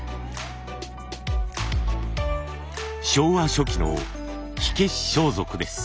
昭和初期の火消し装束です。